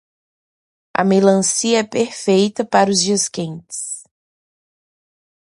A melancia é perfeita para os dias quentes.